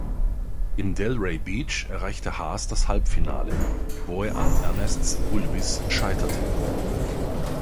In Delray Beach erreichte Haas das Halbfinale, wo er an Ernests Gulbis scheiterte.